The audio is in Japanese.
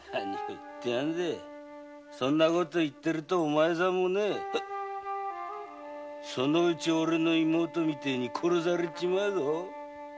そんなこと言ってるとお前さんもねそのうちおれの妹みてぇに殺されちまうぞ。